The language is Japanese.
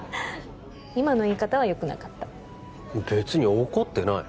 今の言い方はよくなかった別に怒ってない